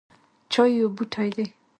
چای یو بوټی دی